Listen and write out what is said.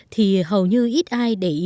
thì hầu như ít ai để ý đến vấn đề tâm sinh lý